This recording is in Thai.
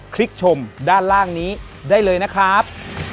ลิกชมด้านล่างนี้ได้เลยนะครับ